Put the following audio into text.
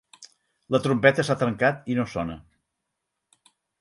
La trompeta s'ha trencat i no sona.